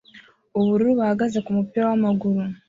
ubururu bahagaze kumupira wamaguru